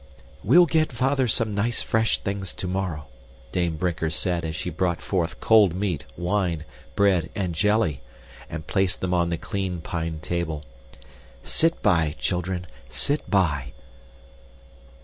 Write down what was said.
"We'll get Father some nice fresh things tomorrow," Dame Brinker said as she brought forth cold meat, wine, bread, and jelly, and placed them on the clean pine table. "Sit by, children, sit by."